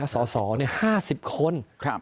สอสอ๕๐คน